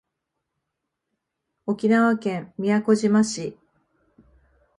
沖縄県宮古島市